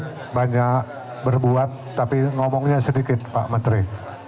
memang kalau atlet banyak berbuat tapi ngomongnya sedikit pak menteri